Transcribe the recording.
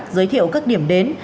giới thiệu các điểm đến